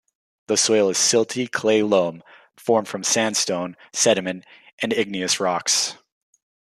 The soil is silty, clay loam formed from sandstone, sediment, and igneous rocks.